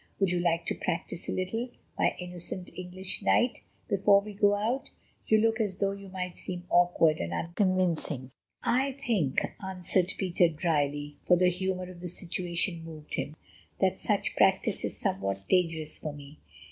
"Would you like to practise a little, my innocent English knight, before we go out? You look as though you might seem awkward and unconvincing." "I think," answered Peter drily, for the humour of the situation moved him, "that such practice is somewhat dangerous for me.